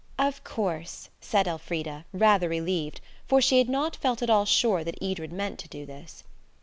"Of course," said Elfrida, rather relieved, for she had not felt at all sure that Edred meant to do this.